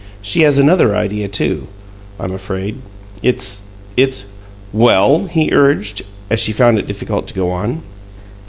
She has another idea, too, I'm afraid. It's it's " "Well?" he urged, as she found it difficult to go on.